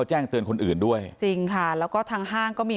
จริงค่ะแล้วก็ทางห้างก็มี